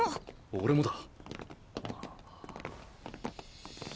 俺もだ。